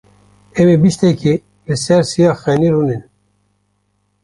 Em ê bîstekê li ber siya xênî rûnin.